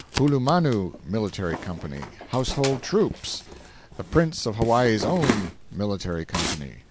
Hulumanu (Military Company). Household Troops. The Prince of Hawaii's Own (Military Company).